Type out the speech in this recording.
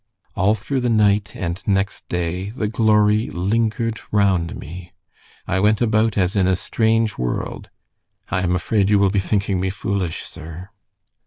All through the night and next day the glory lingered round me. I went about as in a strange world. I am afraid you will be thinking me foolish, sir."